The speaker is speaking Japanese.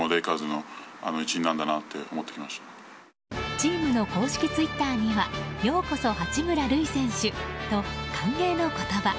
チームの公式ツイッターにはようこそ八村塁選手と歓迎の言葉。